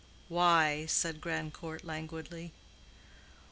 "Why?" said Grandcourt, languidly.